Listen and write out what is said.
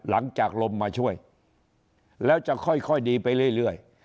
หลังจากลมมาช่วยแล้วจะค่อยค่อยดีไปเรื่อยเรื่อย